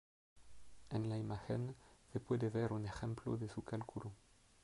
En la imagen se puede ver un ejemplo de su cálculo.